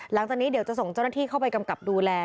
หลังจากนี้เดี๋ยวจะส่งเจ้าหน้าที่เข้าไปกำกับดูแล